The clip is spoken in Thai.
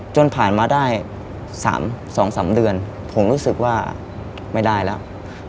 จนผ่านมาได้๒๓เดือนผมรู้สึกว่าไม่ได้แล้ว